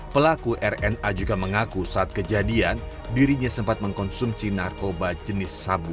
pelaku rna juga mengaku saat kejadian dirinya sempat mengkonsumsi narkoba jenis sabu